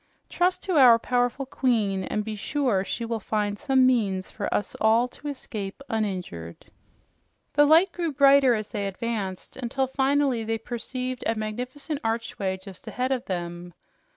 "Trust to our powerful queen, and be sure she will find some means for us all to escape uninjured." The light grew brighter as they advanced, until finally they perceived a magnificent archway just ahead of them.